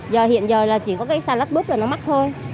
giờ hiện giờ là chỉ có cái xà lách búp là nó mắc thôi